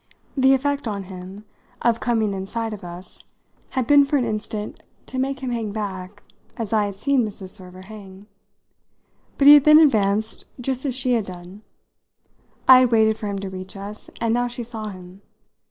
The effect on him of coming in sight of us had been for an instant to make him hang back as I had seen Mrs. Server hang. But he had then advanced just as she had done; I had waited for him to reach us; and now she saw him.